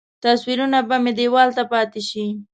تصویرونه به مې دیوال ته پاتې شي.